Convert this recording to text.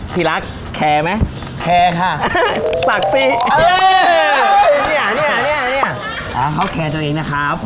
พี่รักแคร์ไหมแครกะฝากสิเออเนี้ยเนี้ยเนี้ยเค้าแคร์ตัวเองนะครับ